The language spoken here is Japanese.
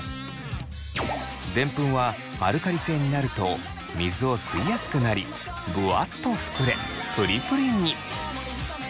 デンプンはアルカリ性になると水を吸いやすくなりぶわっと膨れプリプリに。